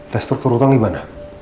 dan struktur hutang gimana